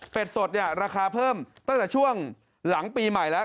เป็นสดเนี่ยราคาเพิ่มตั้งแต่ช่วงหลังปีใหม่แล้ว